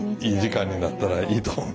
いい時間になったらいいと。